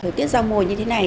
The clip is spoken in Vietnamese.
thời tiết ra mùi như thế này